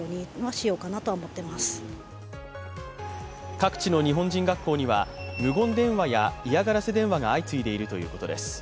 各地の日本人学校には無言電話や、嫌がらせ電話が相次いでいるということです。